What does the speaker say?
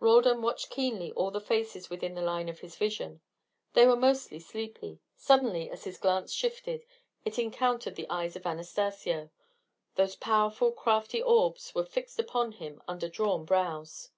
Roldan watched keenly all the faces within the line of his vision. They were mostly sleepy. Suddenly, as his glance shifted, it encountered the eyes of Anastacio. Those powerful crafty orbs were fixed upon him under drawn brows.